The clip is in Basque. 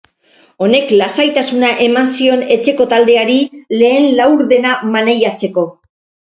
Honek lasaitasuna eman zion etxeko taldeari lehen laurdena maneiatzeko.